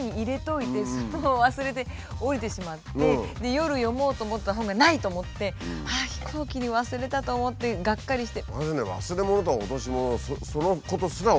夜読もうと思った本がないと思って飛行機に忘れたと思ってがっかりして。